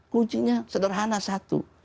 kuncinya sederhana satu